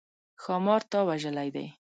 ښامار تا وژلی دی؟